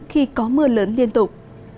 khi có mưa lớn liên tục